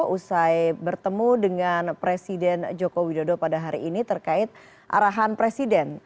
usai bertemu dengan presiden joko widodo pada hari ini terkait arahan presiden